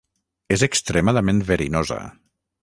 És extremadament verinosa.